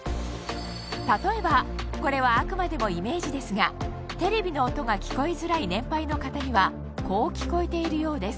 例えばこれはあくまでもイメージですがテレビの音が聞こえづらい年配の方にはこう聞こえているようです